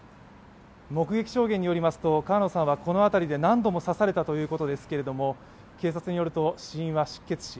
目撃証言によりますと川野さんはこの辺りで何度も刺されたということですけども警察によると死因は、失血死。